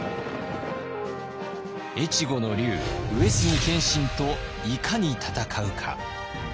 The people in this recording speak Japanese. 越後の龍上杉謙信といかに戦うか。